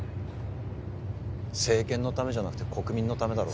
政権のためじゃなくて国民のためだろ